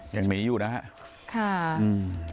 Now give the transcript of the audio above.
ยังหนีอยู่นะฮะค่ะอืม